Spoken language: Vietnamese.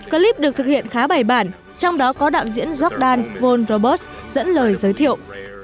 clip được thực hiện khá bày bản trong đó có đạo diễn jordan goldrobot dẫn lời giới thiệu